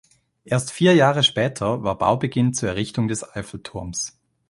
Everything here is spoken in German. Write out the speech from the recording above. Erst vier Jahre später war Baubeginn zur Errichtung des Eiffelturms.